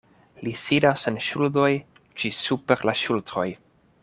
Li sidas en ŝuldoj ĝis super la ŝultroj.